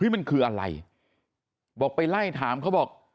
มันคืออะไรบอกไปไล่ถามเขาบอก